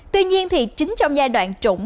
tuy nhiên thì chính trong giai đoạn trụng